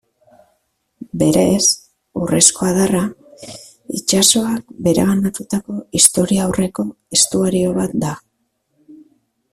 Berez, Urrezko Adarra itsasoak bereganatutako historiaurreko estuario bat da.